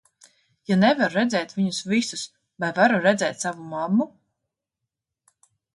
Ja nevaru redzēt viņus visus, vai varu redzēt savu mammu?